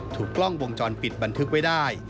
ถูกกล้องวงจรปิดบันทึกไว้ได้